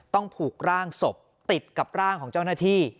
ผูกร่างศพติดกับร่างของเจ้าหน้าที่